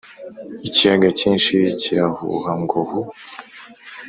ikiyaga cyinshi kirahuha ngo hu